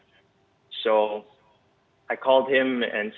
jadi saya mengundangnya dan bilang